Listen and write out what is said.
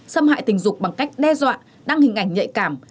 xâm hại tình dục bằng cách đe dọa đăng hình ảnh nhạy cảm